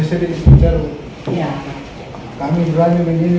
selamat datang di video ini